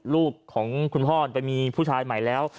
ลูกของคุณพ่อไปมีผู้ชายใหม่แล้ว